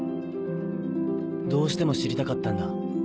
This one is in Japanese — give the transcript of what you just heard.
どうしても知りたかったんだ